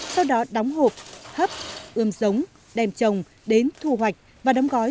sau đó đóng hộp hấp ươm giống đem trồng đến thu hoạch và đóng gói